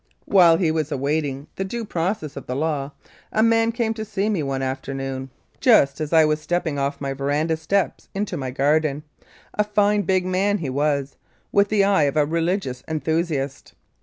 While he was awaiting * Page 234. 122 1906 14. Calgary the due process of the law, a man came to see me one afternoon, just as I was stepping off my veranda steps into my garden a fine big man he was, with the eye of a religious enthusiast.